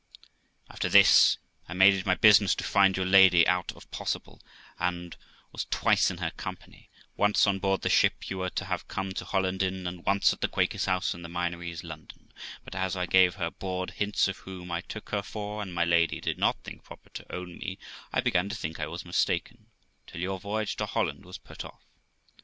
'After this, I made it my business to find your lady out if possible, and was twice in her company, once on board the ship you were to have come to Holland in, and once at the Quaker's house in the Minories, London; but as I gave her broad hints of whom I took her for, and my lady did not think proper to own me, I began to think I was mistaken, till your voyage to Holland was put off.